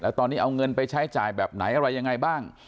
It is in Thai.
ตอนนี้เอาเงินไปใช้จ่ายแบบไหนอะไรยังไงบ้าง